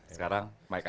sekarang mic aja